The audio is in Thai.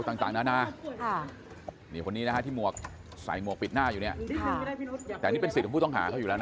อย่างต่างนะครับคนนี้นะครับที่ใส่มวกปิดหน้าอยู่เนี่ยแต่นี่เป็นสิทธิ์ผมต้องหาเขาอยู่แล้วนะ